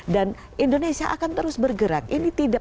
dan indonesia akan terus bergerak